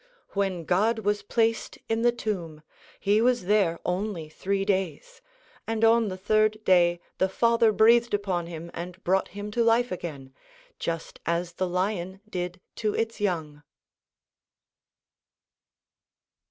When God was placed in the tomb, he was there only three days, and on the third day the Father breathed upon him and brought him to life again, just as the lion did to its young.